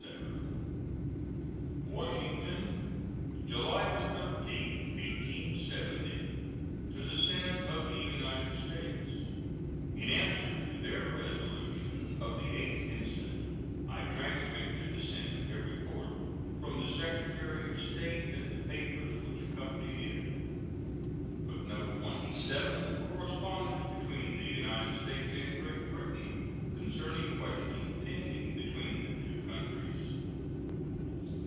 ] WASHINGTON, July 13, 1870. To the Senate of the United States: In answer to their resolution of the 8th instant, I transmit to the Senate a report from the Secretary of State and the papers which accompanied it. U.S. GRANT. [Footnote 27: Correspondence between the United States and Great Britain concerning questions pending between the two countries.